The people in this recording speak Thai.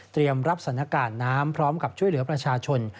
รับสถานการณ์น้ำพร้อมกับช่วยเหลือประชาชน